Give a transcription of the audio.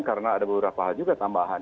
karena ada beberapa hal juga tambahan